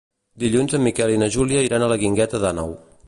Dilluns en Miquel i na Júlia iran a la Guingueta d'Àneu.